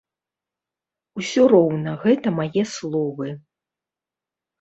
Усё роўна гэта мае словы.